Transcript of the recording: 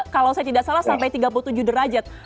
kalau saya tidak salah sampai tiga puluh tujuh derajat